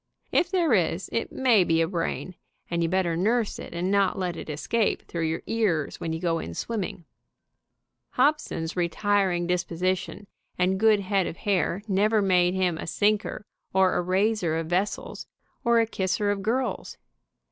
If there is, it may be brain, and you better nurse it and not let it escape through your ears when you go in swim ming. Hobson's retiring disposition and good head of hair never made him a sinker or a raiser of vessels, or a kisser of girls.